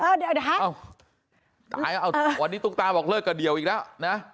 เออเดี๋ยวนะฮะเอ้าตายแล้วเอ่อวันนี้ตุ๊กตาบอกเลิกกับเดี่ยวอีกแล้วนะ